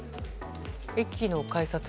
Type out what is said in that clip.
駅の改札。